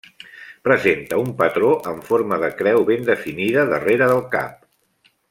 Presenta un patró en forma de creu ben definida darrere del cap.